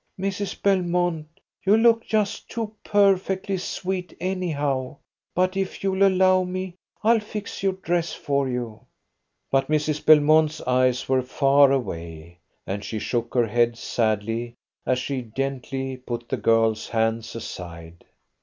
"Mrs. Belmont, you look just too perfectly sweet anyhow, but if you'll allow me I'll fix your dress for you." But Mrs. Belmont's eyes were far away, and she shook her head sadly as she gently put the girl's hands aside.